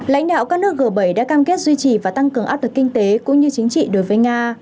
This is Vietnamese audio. lãnh đạo các nước g bảy đã cam kết duy trì và tăng cường áp lực kinh tế cũng như chính trị đối với nga